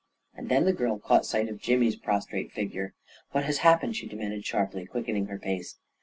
And then the girl caught sight of Jimmy's pros trate figure. "What has happened?" she demanded, sharply, quickening her pace.